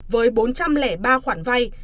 với bốn trăm linh ba khoản vay